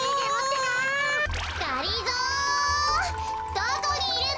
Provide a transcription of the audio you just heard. どこにいるの？